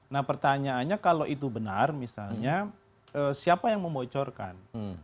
nah pertanyaannya kalau itu benar misalnya siapa yang membocorkan